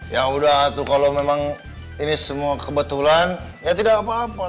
ya udah tuh kalau memang ini semua kebetulan ya tidak apa apa